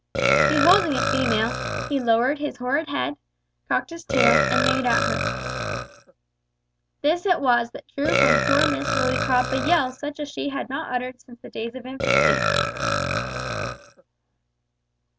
Beholding a female, he lowered his horrid head, cocked his tail, and made at her. This it was that drew from poor Miss Lillycrop a yell such as she had not uttered since the days of infancy.